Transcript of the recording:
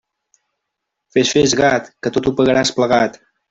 Fes, fes, gat, que tot ho pagaràs plegat.